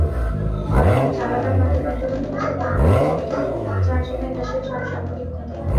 অর্থাৎ জালালাবাদের বিতরণ এলাকা বৃহত্তর সিলেটের চার জেলায় গ্যাসের চাপ স্বাভাবিক থাকে।